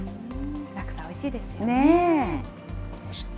ラクサ、おいしいですよね。